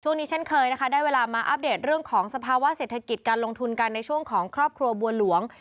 เช่นเคยนะคะได้เวลามาอัปเดตเรื่องของสภาวะเศรษฐกิจการลงทุนกันในช่วงของครอบครัวบัวหลวง